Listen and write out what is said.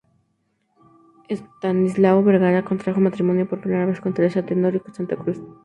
Estanislao Vergara contrajo matrimonio por primera vez con Teresa Tenorio Santacruz.